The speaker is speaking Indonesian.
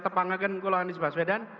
tepangkan kalau anies baswedan